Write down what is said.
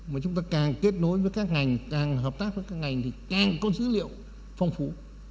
mà chúng ta càng kết nối với các ngành càng hợp tác với các ngành thì càng có dữ liệu phong phú